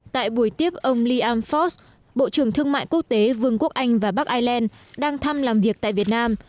tại buổi tiếp ông liam frost bộ trưởng thương mại quốc tế vương quốc anh và bắc ireland đang thăm làm việc tại việt nam